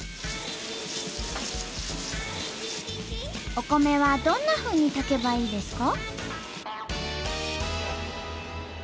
お米はどんなふうに炊けばいいですか？